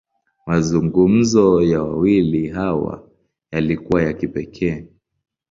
Mazungumzo ya wawili hawa, yalikuwa ya kipekee.